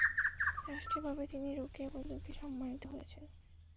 রাষ্ট্রীয়ভাবে তিনি 'রোকেয়া পদকে' সম্মানিত হয়েছেন।